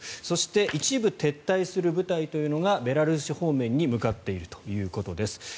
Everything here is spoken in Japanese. そして一部撤退する部隊というのがベラルーシ方面に向かっているということです。